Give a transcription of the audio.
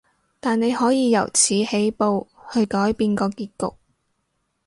但你可以由此起步，去改變個結局